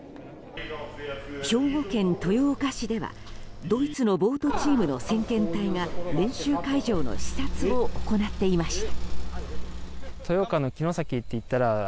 兵庫県豊岡市ではドイツのボートチームの先遣隊が練習会場の視察を行っていました。